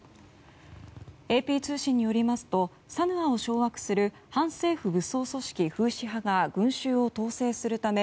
ＡＰ通信によりますとサヌアを掌握する反政府武装組織フーシ派が群衆を統制するため